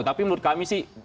tapi menurut kami sih